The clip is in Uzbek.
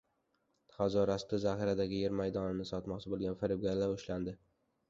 Hazoraspda zaxiradagi yer maydonini sotmoqchi bo‘lgan firibgarlar ushlandi